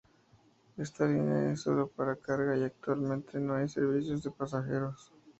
Esta línea es solo para carga y actualmente no hay servicios de pasajeros.